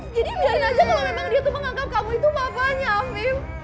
jadi pilih aja kalau memang dia tuh menganggap kamu itu papahnya afif